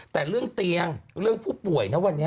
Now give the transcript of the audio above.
แต่เรื่องเตียงเรื่องผู้ป่วยนะวันนี้